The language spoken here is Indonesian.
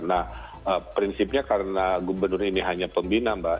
nah prinsipnya karena gubernur ini hanya pembina mbak